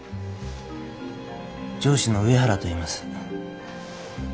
上司の上原といいます。